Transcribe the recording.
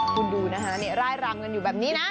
คุณดูนะฮะไล่รำอยู่แบบนี้นะ